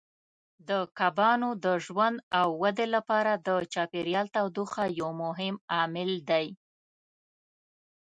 د کبانو د ژوند او ودې لپاره د چاپیریال تودوخه یو مهم عامل دی.